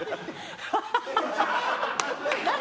ハハハハ。